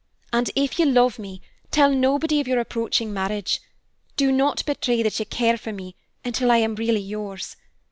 And if you love me, tell nobody of your approaching marriage. Do not betray that you care for me until I am really yours.